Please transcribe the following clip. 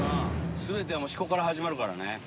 全ては四股から始まるからね。